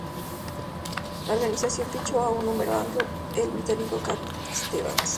La organización fichó a un número "anglo": el británico Cat Stevens.